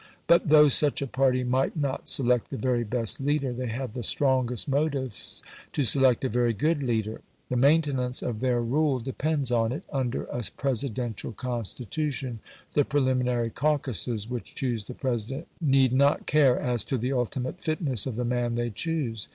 But though such a party might not select the very best leader, they have the strongest motives to select a very good leader. The maintenance of their rule depends on it Under a Presidential Constitution the preliminary caucuses which choose the President need not care as to the ultimate fitness of the man they choose.